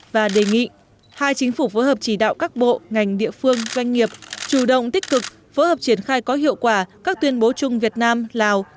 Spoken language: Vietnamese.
và đề nghị hai chính phủ phối hợp chỉ đạo các bộ ngành địa phương doanh nghiệp chủ động tích cực phối hợp triển khai có hiệu quả các tuyên bố chung việt nam lào